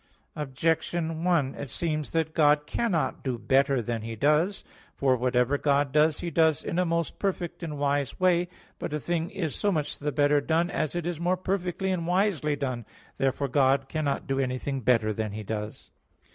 Objection 1: It seems that God cannot do better than He does. For whatever God does, He does in a most powerful and wise way. But a thing is so much the better done as it is more powerfully and wisely done. Therefore God cannot do anything better than He does.